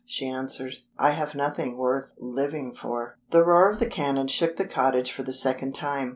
she answered. "I have nothing worth living for!" The roar of the cannon shook the cottage for the second time.